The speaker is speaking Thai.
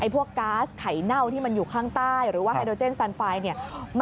พวกก๊าซไข่เน่าที่มันอยู่ข้างใต้หรือว่าไฮโดเจนซันไฟล์เนี่ย